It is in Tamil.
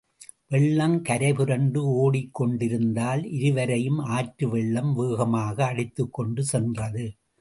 வெள்ளம் கரை புரண்டு ஓடிக் கொண்டிருந்ததால், இருவரையும் ஆற்று வெள்ளம் வேகமாக அடித்துக் கொண்டு சென்றது.